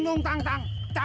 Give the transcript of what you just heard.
aku juga nggak tau